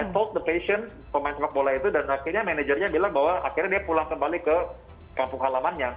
talk the passion pemain sepak bola itu dan akhirnya manajernya bilang bahwa akhirnya dia pulang kembali ke kampung halamannya